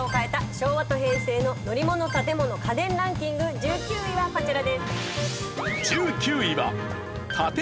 昭和と平成の乗り物・建物・家電ランキング１９位はこちらです。